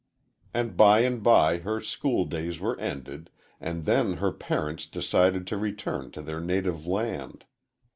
"And by and by her school days were ended, and then her parents decided to return to their native land.